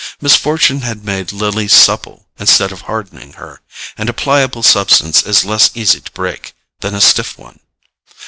Misfortune had made Lily supple instead of hardening her, and a pliable substance is less easy to break than a stiff one.